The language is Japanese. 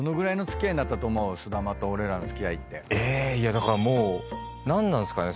だからもう何なんすかね。